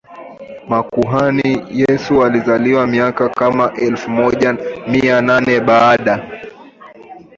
makuhani Yesu alizaliwa miaka kama ya elfu moja Mia nane baada